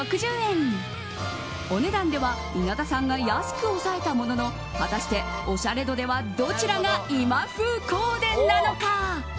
お値段では稲田さんが安く抑えたものの果たしてオシャレ度ではどちらが今風コーデなのか。